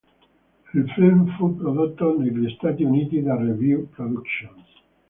Il film fu prodotto negli Stati Uniti da Revue Productions.